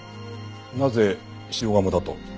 なぜ下鴨だと？